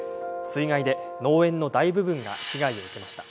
水害で農園の大部分が被害を受けました。